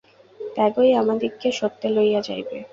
ত্যাগই আমাদিগকে সত্যে লইয়া যাইবে।